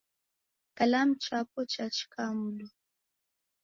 Kalamu chapo cha chika mdo.